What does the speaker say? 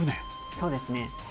そうですね。